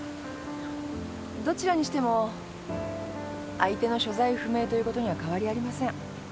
どちらにしても相手の所在不明ということには変わりありません。